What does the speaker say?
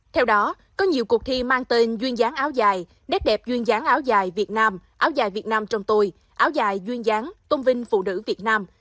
theo đó có nhiều cuộc thi mang tên duyên dáng áo dài nét đẹp duyên gián áo dài việt nam áo dài việt nam trong tôi áo dài duyên dáng tôn vinh phụ nữ việt nam